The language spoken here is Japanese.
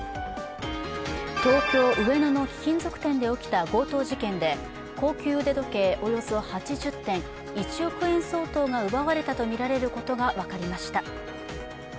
東京・上野の貴金属店で起きた強盗事件で高級腕時計およそ８０点、１億円相当が奪われたとみられることが分かりました。